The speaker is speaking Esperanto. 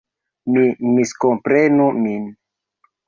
Ne miskomprenu min.